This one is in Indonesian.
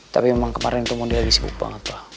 tapi memang kemarin itu mondi lagi sibuk banget pak